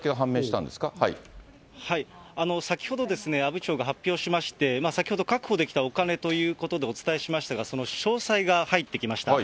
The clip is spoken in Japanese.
あっ、先ほど、阿武町が発表しまして、先ほど確保できたお金ということでお伝えしましたが、その詳細が入ってきました。